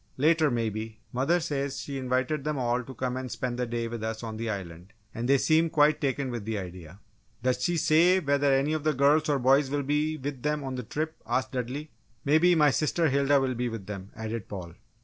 "Later, maybe. Mother says she invited them all to come and spend a day with us on the Island, and they seemed quite taken with the idea." "Does she say whether any of the girls or boys will be with them on the trip?" asked Dudley. "Maybe my sister Hilda will be with them!" added Paul.